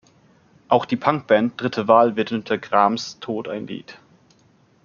Auch die Punk-Band "Dritte Wahl" widmete Grams’ Tod ein Lied.